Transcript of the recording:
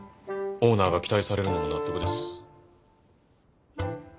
オーナーが期待されるのも納得です。